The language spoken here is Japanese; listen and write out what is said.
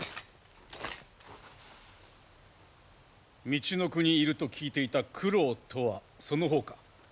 みちのくにいると聞いていた九郎とはその方か？